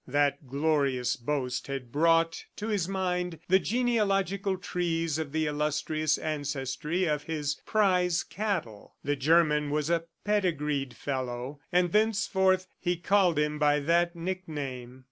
That glorious boast had brought to his mind the genealogical trees of the illustrious ancestry of his prize cattle. The German was a pedigreed fellow, and thenceforth he called him by that nickname.